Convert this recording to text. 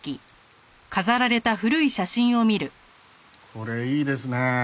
これいいですね。